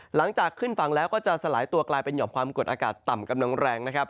หลังจากขึ้นฝั่งแล้วก็จะสลายตัวกลายเป็นหอมความกดอากาศต่ำกำลังแรงนะครับ